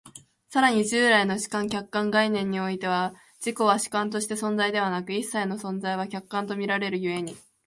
更に従来の主観・客観の概念においては、自己は主観として存在でなく、一切の存在は客観と見られる故に、